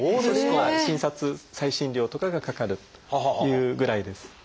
それと診察再診料とかがかかるというぐらいです。